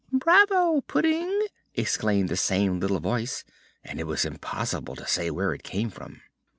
"Bravo, Pudding!" exclaimed the same little voice, and it was impossible to say where it came from.